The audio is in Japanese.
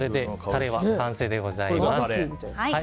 これでタレは完成でございます。